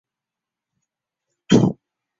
他现在效力于英超球队斯旺西。